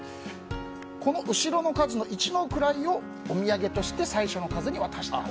この後ろの数の一の位をおみやげとして最初の数に渡してあげる。